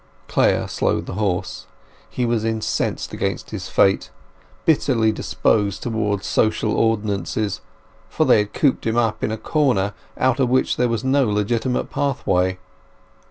Clare slowed the horse. He was incensed against his fate, bitterly disposed towards social ordinances; for they had cooped him up in a corner, out of which there was no legitimate pathway.